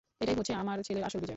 এটাই হচ্ছে আমার ছেলের আসল বিজয়।